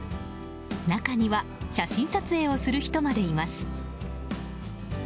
中には写真撮影をする人までいます。